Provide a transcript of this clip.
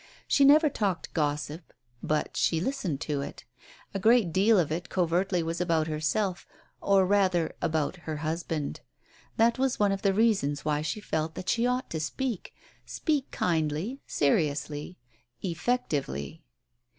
She never talked gossip, but she listened to it. A great deal of it covertly was about herself, or rather about her husband. That was one of the reasons why she felt that she ought to speak — speak kindly, seriously, effectively.